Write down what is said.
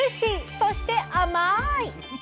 そして甘い！